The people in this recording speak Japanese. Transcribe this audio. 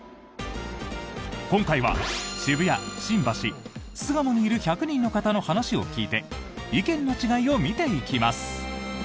今回は渋谷、新橋、巣鴨にいる１００人の方の話を聞いて意見の違いを見ていきます。